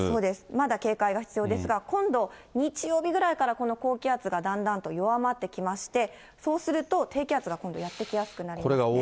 まだ警戒が必要ですが、今度、日曜日ぐらいからこの高気圧がだんだんと弱まってきまして、そうすると、低気圧が今度やって来やすくなりますね。